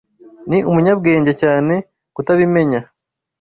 Ni umunyabwenge cyane kutabimenya.